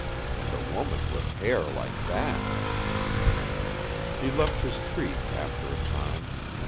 And a woman with hair like that! He left his tree after a time.